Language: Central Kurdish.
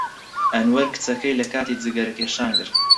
ئەنوەر کچەکەی لە کاتی جگەرەکێشان گرت.